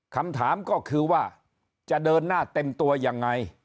คำถามก็คือว่าจะเดินหน้าเต็มตัวยังไง